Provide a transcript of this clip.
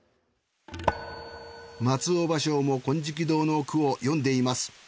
松尾芭蕉も金色堂の句を詠んでいます。